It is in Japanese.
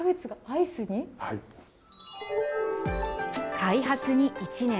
開発に１年。